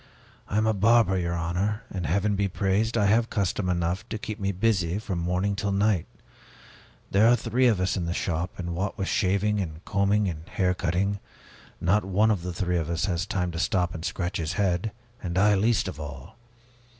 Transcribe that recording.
I am a barber, your honor, and Heaven be praised! I have custom enough to keep me busy from morning till night. There are three of us in the shop, and what with shaving and combing and hair cutting, not one of the three has the time to stop and scratch his head, and I least of all.